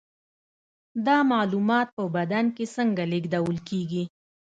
دا معلومات په بدن کې څنګه لیږدول کیږي